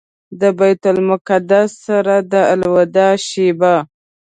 له بیت المقدس سره د الوداع شېبه.